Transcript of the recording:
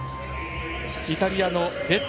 イタリアのベッラ。